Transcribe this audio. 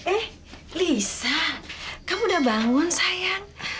eh lisa kamu udah bangun sayang